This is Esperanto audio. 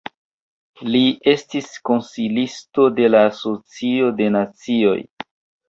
Li estis konsilisto de la Socio de Nacioj.